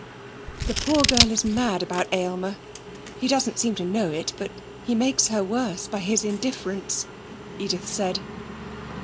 'The poor girl is mad about Aylmer. He doesn't seem to know it, but he makes her worse by his indifference,' Edith said.